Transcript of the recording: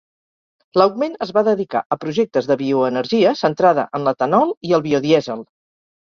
L'augment es va dedicar a projectes de bioenergia, centrada en l'etanol i el biodièsel.